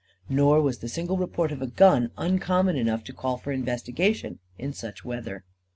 Nor was the single report of a gun uncommon enough to call for investigation in such weather.